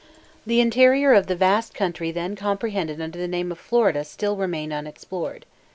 The interior of the vast country then comprehended under the name of Florida still remained unexplored.